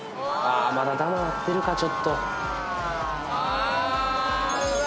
まだダマになってるかちょっと。